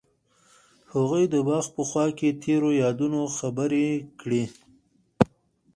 هغوی د باغ په خوا کې تیرو یادونو خبرې کړې.